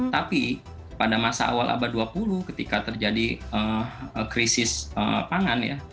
tapi pada masa awal abad dua puluh ketika terjadi krisis pangan ya